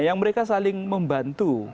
yang mereka saling membantu